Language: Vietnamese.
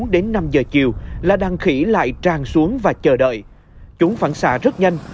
bốn đến năm giờ chiều là đàn khỉ lại tràn xuống và chờ đợi chúng phản xạ rất nhanh